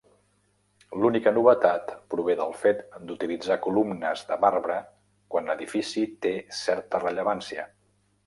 L'única novetat prové del fet d'utilitzar columnes de marbre quan l'edifici té certa rellevància.